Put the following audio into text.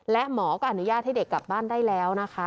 และหมอก็อนุญาตให้เด็กกลับบ้านได้แล้วนะคะ